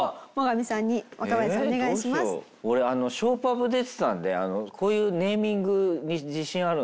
俺ショーパブ出てたのでこういうネーミングに自信あるんですけど。